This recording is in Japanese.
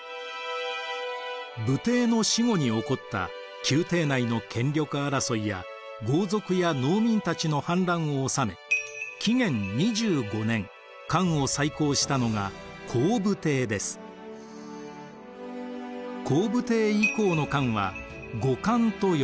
武帝の死後に起こった宮廷内の権力争いや豪族や農民たちの反乱を治め紀元２５年漢を再興したのが光武帝以降の漢は後漢と呼ばれます。